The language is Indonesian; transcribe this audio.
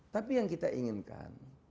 tapi yang kita inginkan